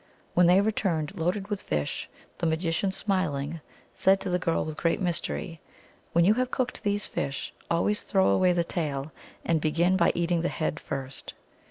When they returned, loaded with fish, the magician, smiling, said to the girl with great mystery, " When you have cooked these fish, always throw away the tail, and begin by eating the head first."